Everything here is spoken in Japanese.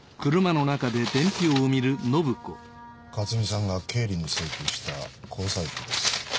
日下：克巳さんが経理に請求した交際費です。